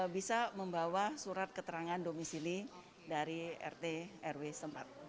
bisa membawa surat keterangan domisili dari rt rw sempat